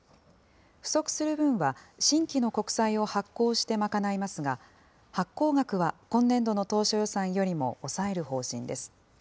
不足する分は新規の国債を発行して賄いますが、発行額は今年度の当初予算よりも抑える方針です。